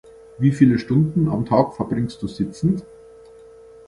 Wie viele Stunden am Tag verbringst du sitzend?